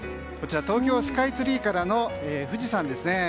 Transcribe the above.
東京スカイツリーからの富士山です。